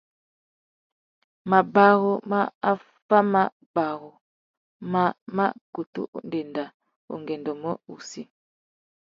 Mabarú mà affámabarú má mà kutu ndénda ungôndômô wussi.